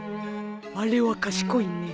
あれは賢いね。